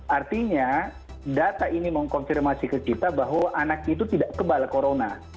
artinya data ini mengkonfirmasi ke kita bahwa anak itu tidak kebal corona